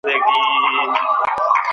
ستاسي بېړۍ به کله البوځي؟